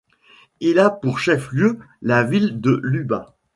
Il a pour chef-lieu la ville de Luba.